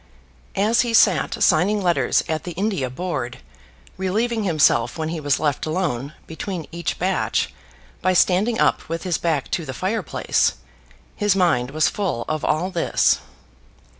As he sat signing letters at the India Board, relieving himself when he was left alone between each batch by standing up with his back to the fire place, his mind was full of all this.